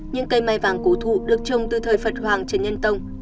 những cây mai vàng cổ thụ được trồng từ thời phật hoàng trần nhân tông